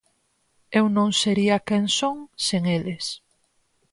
Eu non sería quen son sen eles.